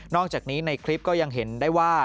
อกจากนี้ในคลิปก็ยังเห็นได้ว่า